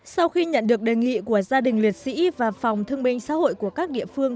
sau khi nhận được đề nghị của gia đình liệt sĩ và phòng thương minh xã hội của các địa phương